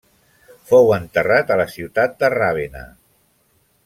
Fou enterrat a la ciutat de Ravenna.